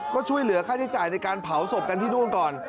ก็ช่วยเหลือค่าใช้จ่ายในการเผาศพกันที่นู่นก่อน